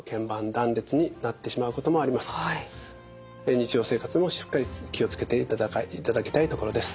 日常生活もしっかり気を付けていただきたいところです。